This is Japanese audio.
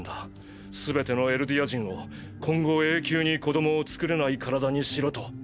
すべてのエルディア人を今後永久に子供を作れない体にしろと！